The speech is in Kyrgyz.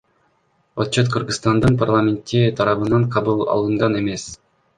Отчет Кыргызстандын парламенти тарабынан кабыл алынган эмес.